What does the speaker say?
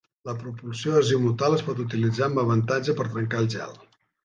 La propulsió azimutal es pot utilitzar amb avantatge per trencar el gel.